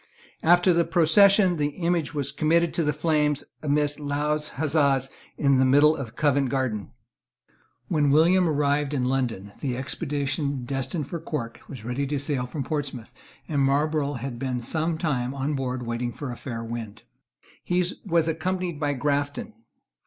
After the procession, the image was committed to the flames, amidst loud huzzas, in the middle of Covent Garden, When William arrived in London, the expedition destined for Cork, was ready to sail from Portsmouth, and Marlborough had been some time on board waiting for a fair wind. He was accompanied by Grafton.